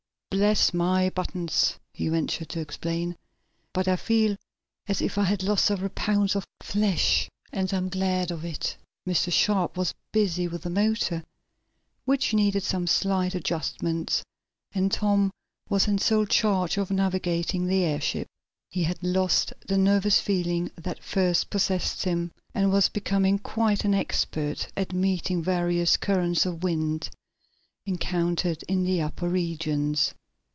"Bless my buttons!" he ventured to explain. "But I feel as if I had lost several pounds of flesh, and I'm glad of it." Mr. Sharp was busy with the motor, which needed some slight adjustments, and Tom was in sole charge of navigating the airship. He had lost the nervous feeling that first possessed him, and was becoming quite an expert at meeting various currents of wind encountered in the upper regions.